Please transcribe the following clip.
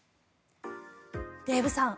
デーブさん